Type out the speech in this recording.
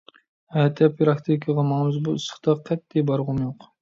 ئەتە پىراكتىكىغا ماڭىمىز. بۇ ئىسسىقتا قەتئىي بارغۇم يوق.